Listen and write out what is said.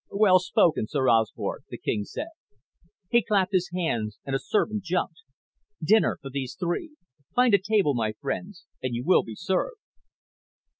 "Well spoken, Sir Osbert," the king said. He clapped his hands and a servant jumped. "Dinner for these three. Find a table, my friends, and you will be served."